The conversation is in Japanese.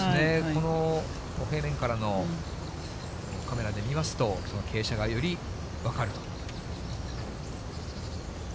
この平面からのカメラで見ますと、その傾斜がより分かると。